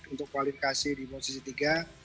untuk kualifikasi di posisi tiga